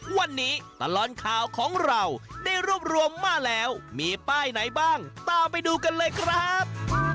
วันนี้ตลอดข่าวของเราได้รวบรวมมาแล้วมีป้ายไหนบ้างตามไปดูกันเลยครับ